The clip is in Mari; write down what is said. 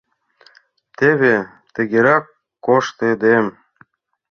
— Теве тыгерак коштедем.